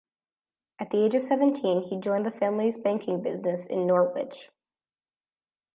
At the age of seventeen he joined the family's banking business in Norwich.